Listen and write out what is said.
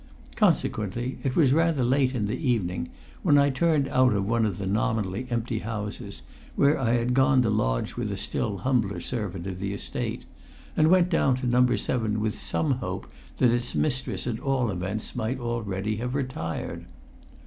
Consequently it was rather late in the evening when I turned out of one of the nominally empty houses, where I had gone to lodge with a still humbler servant of the Estate, and went down to No. 7 with some hope that its mistress at all events might already have retired.